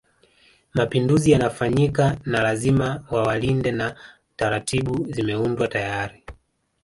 Mapinduzi yanafanyika na lazima wawalinde na taratibu zimeundwa tayari